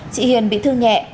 chị hiền bị thương nhẹ